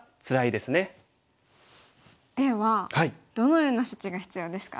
ではどのような処置が必要ですか？